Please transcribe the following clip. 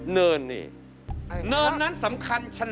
เนินนั้นสำคัญไฉน